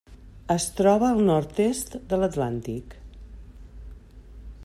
Es troba al nord-est de l'Atlàntic: